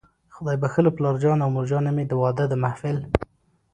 خدای بښلو پلارجان او مورجانې مې، د واده د محفل